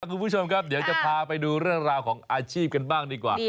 คุณผู้ชมครับเดี๋ยวจะพาไปดูเรื่องราวของอาชีพกันบ้างดีกว่า